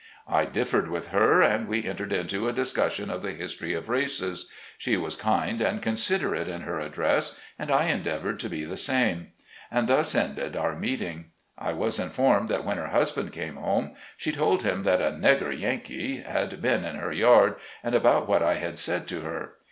I differed with her, and we entered into a discus sion of the history of races ; she was kind and con siderate in her address, and I endeavored to be the 100 SLAVE CABIN TO PULPIT. same. And thus ended our meeting. I was informed that when her husband came home, she told him that a "negger Yankee" had been in her yard, and about what I had said to her.